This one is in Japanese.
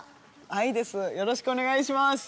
ＡＩです、よろしくお願いします。